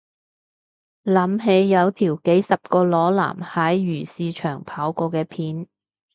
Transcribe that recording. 諗起有條幾十個裸男喺漁市場跑過嘅片